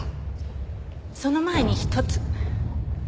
その前にひとつ。